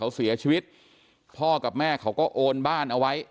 เขาเสียชีวิตพ่อกับแม่เขาก็โอนบ้านเอาไว้